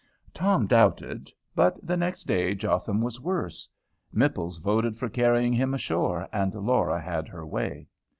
Tom doubted. But the next day Jotham was worse. Mipples voted for carrying him ashore, and Laura had her way.